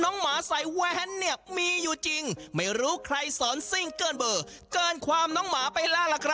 หมาใส่แว้นเนี่ยมีอยู่จริงไม่รู้ใครสอนซิ่งเกินเบอร์เกินความน้องหมาไปแล้วล่ะครับ